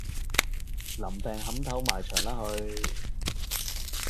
林病扻頭埋牆啦去